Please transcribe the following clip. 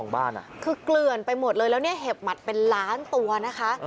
บ้านคือเกลื่อนไปหมดเลยแล้วเนี่ยเห็บหมัดเป็นล้านตัวนะคะ